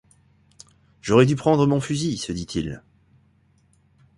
J’aurais dû prendre mon fusil! se dit-il.